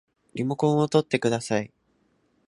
リモコンをとってください